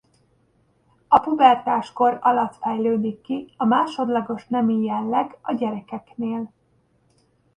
A pubertáskor alatt fejlődik ki a másodlagos nemi jelleg a gyerekeknél.